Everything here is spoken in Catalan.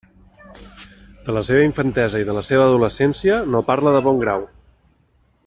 De la seva infantesa i de la seva adolescència no parla de bon grau.